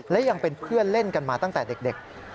และยังเป็นเพื่อนเล่นกันมาตั้งแต่เด็ก